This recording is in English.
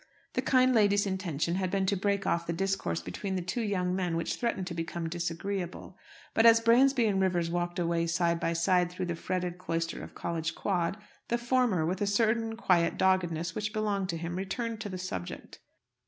The kind lady's intention had been to break off the discourse between the two young men, which threatened to become disagreeable. But as Bransby and Rivers walked away side by side through the fretted cloister of College Quad, the former, with a certain quiet doggedness which belonged to him, returned to the subject.